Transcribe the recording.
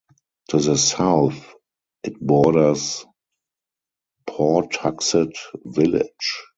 To the south it borders Pawtuxet Village.